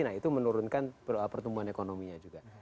nah itu menurunkan pertumbuhan ekonominya juga